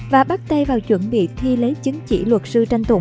và bắt tay vào chuẩn bị thi lấy chứng chỉ luật sư tranh tụng